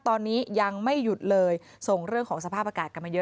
ตอนนี้ยังไม่หยุดเลยส่งเรื่องของสภาพอากาศกันมาเยอะ